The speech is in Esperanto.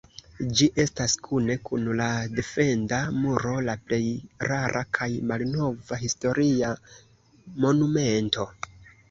Ĝi estas kune kun la defenda muro la plej rara kaj malnova historia monumento.